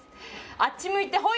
あっちむいてホイ！